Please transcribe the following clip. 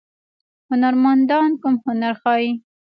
هنرمندان کوم هنر ښيي؟